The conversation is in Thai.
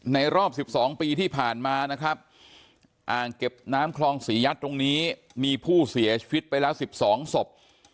รอบ๑๒ปีที่ผ่านมานะครับอ่างเก็บน้ำคลองศรียัดตรงนี้มีผู้เสียชีวิตไปแล้ว๑๒ศพ